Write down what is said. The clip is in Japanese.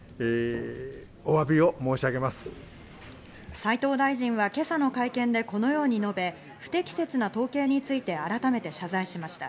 斉藤大臣は今朝の会見でこのように述べ、不適切な統計について改めて謝罪しました。